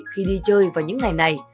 khi đi chơi vào những ngày này